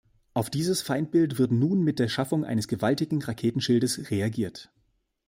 Auf dieses Feindbild wird nun mit der Schaffung eines gewaltigen Raketenschildes reagiert.